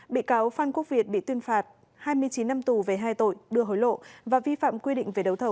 bị cáo phan quốc việt bị tuyên phạt hai mươi chín năm tù về hai tội đưa hối lộ và vi phạm quy định về đấu thầu